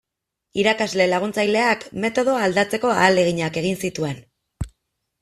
Irakasle laguntzaileak metodoa aldatzeko ahaleginak egin zituen.